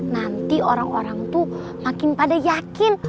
nanti orang orang tuh makin pada yakin